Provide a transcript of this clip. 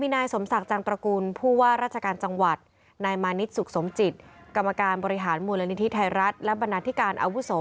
นายสมศักดิ์จังตระกูลผู้ว่าราชการจังหวัดนายมานิดสุขสมจิตกรรมการบริหารมูลนิธิไทยรัฐและบรรณาธิการอาวุโส